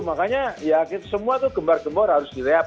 makanya semua itu gembar gembur harus direhat